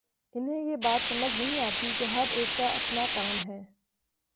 انہیں یہ بات سمجھ نہیں آتی کہ ہر ایک کا اپنا کام ہے۔